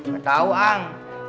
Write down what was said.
gak tau ang